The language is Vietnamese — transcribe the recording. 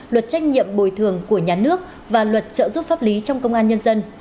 luật trách nhiệm bồi thường của nhà nước và luật trợ giúp pháp lý trong công an nhân dân